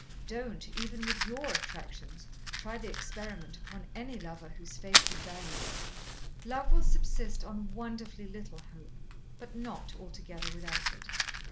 Don't, even with YOUR attractions, try the experiment upon any lover whose faith you value. Love will subsist on wonderfully little hope, but not altogether without it.'